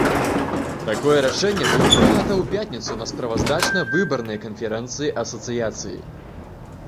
Такое рашэнне было прынята ў пятніцу на справаздачна-выбарнай канферэнцыі асацыяцыі.